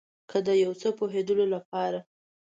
که د یو څه پوهیدلو لپاره